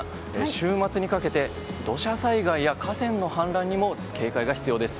週末にかけて、土砂災害や河川の氾濫にも警戒が必要です。